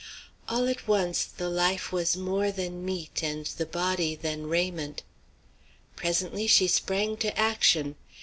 All at once the life was more than meat and the body than raiment. Presently she sprang to action.